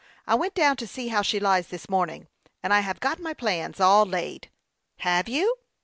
I went down to see how she lies this morning, and I have got my plans all laid." " Have you